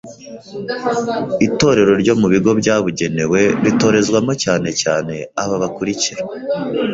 Itorero ryo mu bigo byabugenewe ritorezwamo cyane cyane aba bakurikira